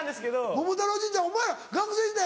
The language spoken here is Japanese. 桃太郎ジーンズお前ら学生時代